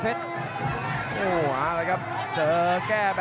อื้อหือจังหวะขวางแล้วพยายามจะเล่นงานด้วยซอกแต่วงใน